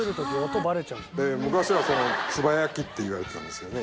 で昔は鍔焼きって言われてたんですよね。